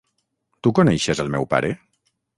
Tu coneixes el meu pare?